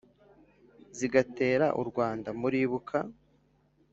zigatera u rwanda muribuka